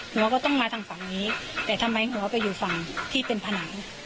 หัวก็ต้องมาทางฝั่งนี้แต่ทำไมหัวไปอยู่ฝั่งที่เป็นผนัง